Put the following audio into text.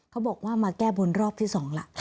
เขาบอกว่ามาแก้บนรอบที่๒ล่ะ